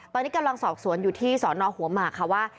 ตอนนี้กำลังสอบสวนอยู่ที่สอนอหัวหมากค่ะว่า